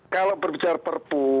kalau berbicara perpu